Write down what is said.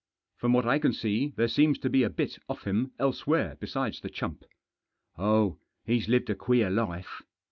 " From what I can see there seems to be a bit off him elsewhere besides the chump." " Oh, he's lived a queer life.